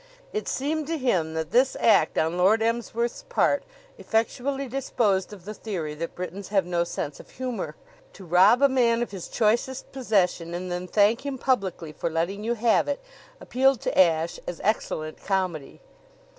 It seemed to him that this act on Lord Emsworth's part effectually disposed of the theory that Britons have no sense of humor. To rob a man of his choicest possession and then thank him publicly for letting you have it appealed to Ashe as excellent comedy.